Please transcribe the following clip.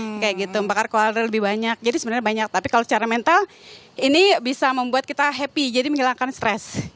kayak gitu membakar kalori lebih banyak jadi sebenarnya banyak tapi kalau secara mental ini bisa membuat kita happy jadi menghilangkan stres